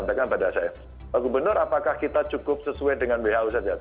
pak gubernur apakah kita cukup sesuai dengan who saja